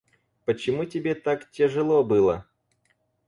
Почему тебе так тяжело было?